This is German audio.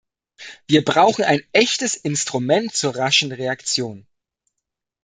Wir brauchen ein echtes "Instrument zur raschen Reaktion".